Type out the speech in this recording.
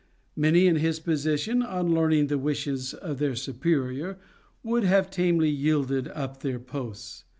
Many in his position on learning the wishes of their superior would have tamely yielded up their posts.